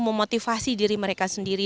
memotivasi diri mereka sendiri